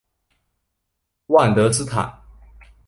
万德斯坦。